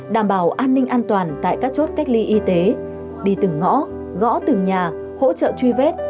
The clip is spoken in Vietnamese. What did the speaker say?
đảm bảo an ninh an toàn tại các chốt cách ly y tế đi từng ngõ gõ từng nhà hỗ trợ truy vết